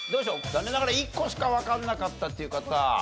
残念ながら１個しかわからなかったっていう方。